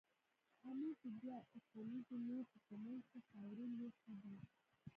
امیر د دوو اوسپنیزو لوښو په منځ کې خاورین لوښی دی.